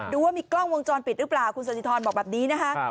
ดูว่ามีกล้องวงจรปิดหรือเปล่าคุณสันติธรบอกแบบนี้นะคะ